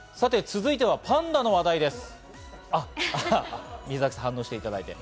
続いてはパンダの話題です。